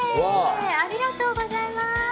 ありがとうございます。